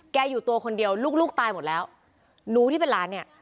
อยู่ตัวคนเดียวลูกลูกตายหมดแล้วหนูที่เป็นหลานเนี่ย